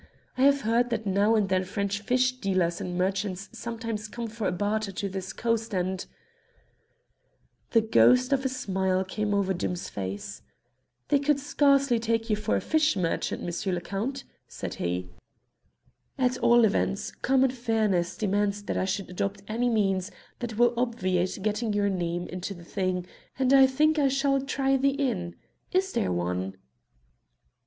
I have heard that now and then French fish dealers and merchants sometimes come for barter to this coast and " The ghost of a smile came over Doom's face. "They could scarcely take you for a fish merchant, M. le Count," said he. "At all events common fairness demands that I should adopt any means that will obviate getting your name into the thing, and I think I shall try the inn. Is there one?"